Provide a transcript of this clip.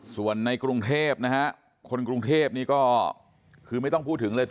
ส่วนในกรุงเทพนะฮะคนกรุงเทพนี่ก็คือไม่ต้องพูดถึงเลย